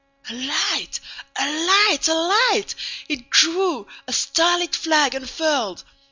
A light! A light! A light! It grew, a starlit flag unfurled!